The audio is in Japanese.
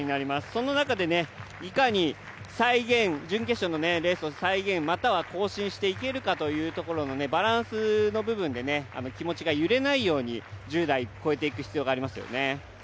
その中で、いかに準決勝のレースを再現、または更新していけるかというところのバランスの部分で気持ちが揺れないように、１０台を越えていく必要がありますよね。